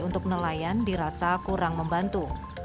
untuk nelayan dirasa kurang membantu